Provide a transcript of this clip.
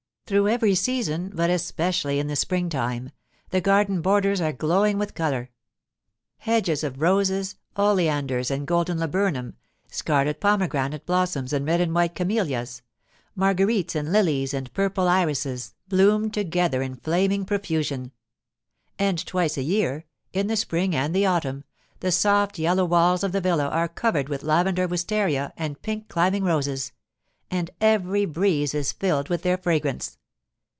Through every season, but especially in the springtime, the garden borders are glowing with colour. Hedges of roses, oleanders and golden laburnum, scarlet pomegranate blossoms and red and white camellias, marguerites and lilies and purple irises, bloom together in flaming profusion. And twice a year, in the spring and the autumn, the soft yellow walls of the villa are covered with lavender wistaria and pink climbing roses, and every breeze is filled with their fragrance.